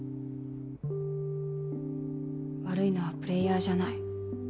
悪いのはプレーヤーじゃない。